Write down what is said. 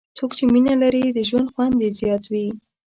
څوک چې مینه لري، د ژوند خوند یې زیات وي.